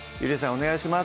お願いします